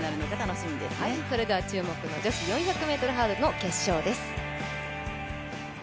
それでは注目の女子４００ｍハードルの決勝です。